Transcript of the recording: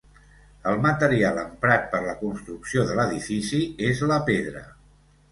El material emprat per la construcció de l'edifici és la pedra.